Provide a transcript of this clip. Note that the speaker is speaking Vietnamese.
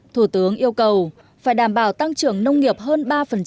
thủ tướng yêu cầu phải đảm bảo tăng trưởng nông nghiệp hơn ba